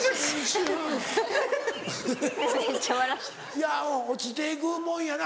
いや落ちて行くもんやな。